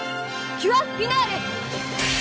キュアフィナーレ！